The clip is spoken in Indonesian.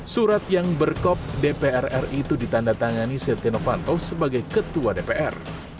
surat yang berkop dprr itu ditanda tangani setiano fanto sebagai ketua dpr